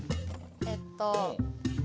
えっと。